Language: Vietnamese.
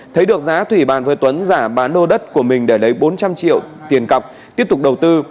thấy được giá thủy bàn với tuấn giả bán lô đất của mình để lấy bốn trăm linh triệu tiền cọc tiếp tục đầu tư